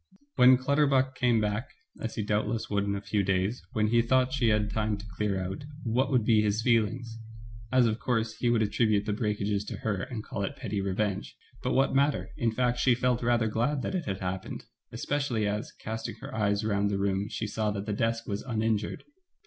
When Clutterbuck came back, as he doubtless would in a few days, when he thought she had had time to clear out, what would be his feelings ! as, of course, he would attribute the breakages to her and call it petty revenge ; but what matter, in fact she felt rather glad that it had happened, especially as, casting her eyes round the room, she saw that the desk was uninjured.